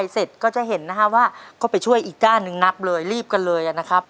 เสร็จแล้วนะฮะ๑ส่องนะครับ